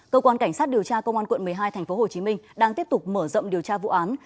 cơ quan cảnh sát điều tra công an quận một mươi hai tp hcm đang tiếp tục mở rộng điều tra vụ án